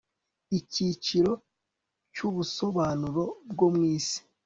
icyiciro cyubusobanuro bwo mwisi